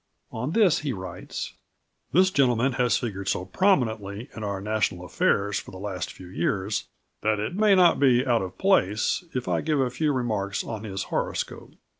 On this he writes: "This gentleman has figured so prominently in our national affairs for the last few years, that it may not be out of place if I give a few remarks on his horoscope.